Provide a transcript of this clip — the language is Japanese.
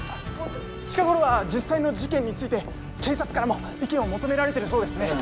近頃は実際の事件について警察からも意見を求められてるそうですね。